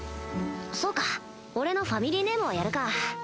そうか俺のファミリーネームをやるか